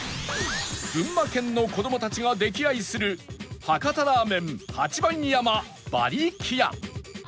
群馬県の子供たちが溺愛する博多ラーメン八番山ばりきや